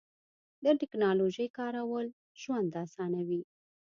د تکنالوژۍ کارول ژوند اسانوي.